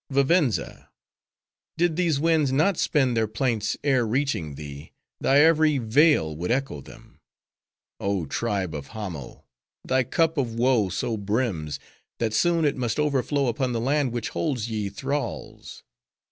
Vivenza! did these winds not spend their plaints, ere reaching thee, thy every vale would echo them. Oh, tribe of Hamo! thy cup of woe so brims, that soon it must overflow upon the land which holds ye thralls.